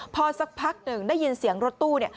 พอสักพักหนึ่งได้ยินเสียงรถตู้เนี่ย